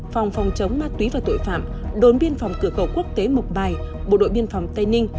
phòng phòng chống ma túy và tuổi phạm đoàn biên phòng cửa cầu quốc tế mộc bài bộ đội biên phòng tây ninh